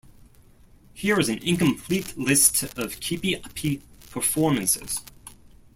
Here is an incomplete list of keepie-uppie performances.